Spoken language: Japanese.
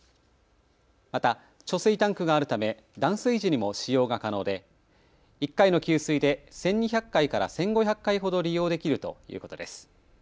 また貯水タンクがあるため断水時にも使用が可能で１回の給水で１２００回から１５００回ほど利用できるということです。